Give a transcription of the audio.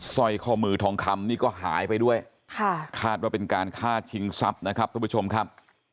สร้อยข้อมือทองคำนี่ก็หายไปด้วยค่ะคาดว่าเป็นการฆ่าชิงทรัพย์นะครับทุกผู้ชมครับ